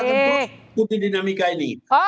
kita akan terus ikuti dinamika ini